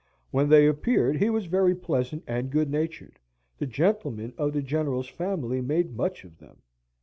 When they appeared he was very pleasant and good natured; the gentlemen of the General's family made much of them.